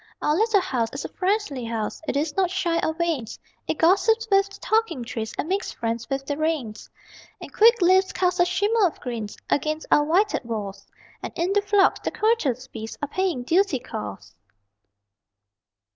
Our little house is a friendly house. It is not shy or vain; It gossips with the talking trees, And makes friends with the rain. And quick leaves cast a shimmer of green Against our whited walls, And in the phlox, the courteous bees Are paying duty calls.